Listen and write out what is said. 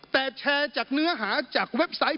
แต่แชร์จากเนื้อหาจากเว็บไซต์